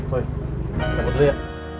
oi cabut dulu ya